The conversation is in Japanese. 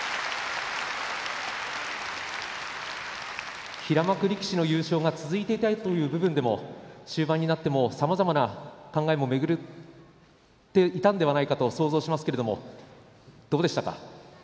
拍手平幕力士の優勝が続いていたという部分でも終盤になってもさまざまな考えもめぐっていたのではないかと想像しますが、どうでしたか。